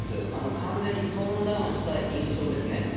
完全にトーンダウンした印象ですね。